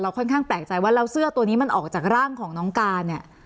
ค่อนข้างแปลกใจว่าแล้วเสื้อตัวนี้มันออกจากร่างของน้องการเนี่ย